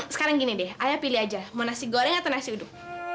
sekarang gini deh ayah pilih aja mau nasi goreng atau nasi uduk